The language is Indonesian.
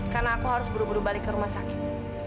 karena aku harus buru buru balik ke rumah sakit